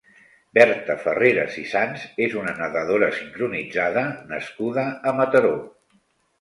Berta Ferreras i Sanz és una nedadora sincronitzada nascuda a Mataró.